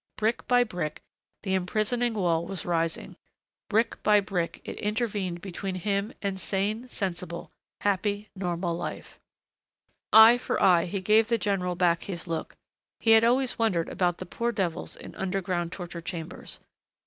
Brick by brick the imprisoning wall was rising. Brick by brick it intervened between him and sane, sensible, happy, normal life. Eye for eye he gave the general back his look. He had always wondered about the poor devils in underground torture chambers.